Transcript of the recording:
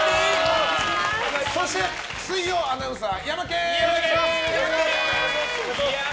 そして、水曜アナウンサーヤマケン！